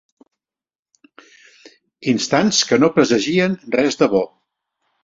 Instants que no presagien res de bo.